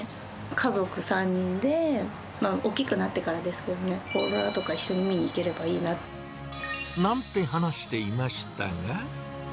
家族３人で、大きくなってからですけどね、オーロラとかを一緒に見に行ければいいな。なんて話していましたが。